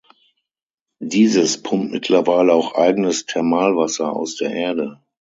Dieses pumpt mittlerweile auch eigenes Thermalwasser aus der Erde.